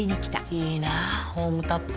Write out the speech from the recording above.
いいなホームタップ。